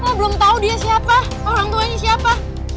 lo belum tau dia siapa orangtuanya siapa